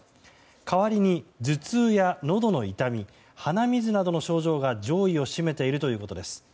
代わりに頭痛や、のどの痛み鼻水などの症状が上位を占めているということです。